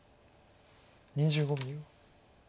２５秒。